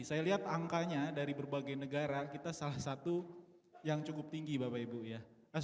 saya lihat angkanya dari berbagai negara kita salah satu yang cukup tinggi bapak ibu ya